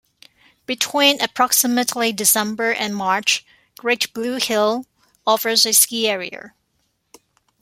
Between approximately December and March, Great Blue Hill offers a ski area.